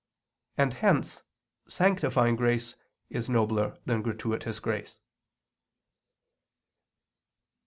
And hence sanctifying grace is nobler than gratuitous grace.